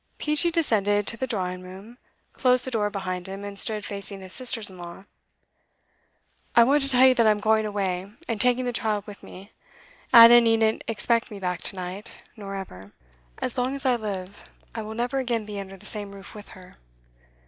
Peachey descended to the drawing room, closed the door behind him, and stood facing his sisters in law. 'I want to tell you that I am going away, and taking the child with me. Ada needn't expect me back to night nor ever. As long as I live I will never again be under the same roof with her.